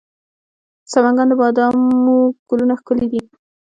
د سمنګان د بادامو ګلونه ښکلي دي.